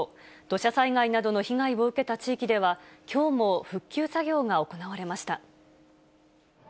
土砂災害などの被害を受けた地域では、きょうも復旧作業が行われました。